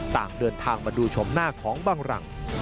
ต่างเดินทางมาดูชมหน้าของบังหลัง